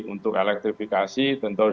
untuk elektrifikasi tentu harus